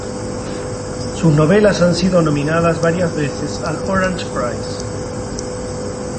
Sus novelas han sido nominadas varias veces al Orange Prize.